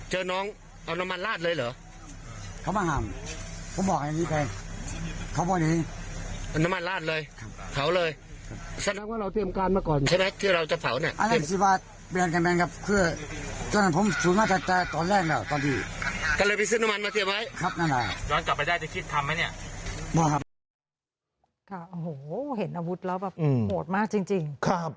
โอ้โหเห็นอาวุธแล้วแบบโหดมากจริง